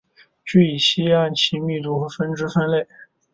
聚乙烯按其密度和分支分类。